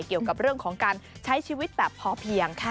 เกี่ยวกับเรื่องของการใช้ชีวิตแบบพอเพียงค่ะ